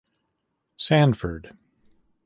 Sanford.